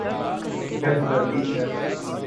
رہ جاتی ہے۔